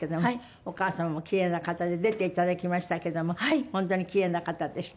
お母様も奇麗な方で出て頂きましたけれども本当に奇麗な方でした。